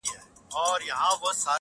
زه به په فکر وم، چي څنگه مو سميږي ژوند.